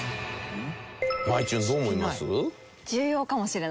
まいちゅんどう思います？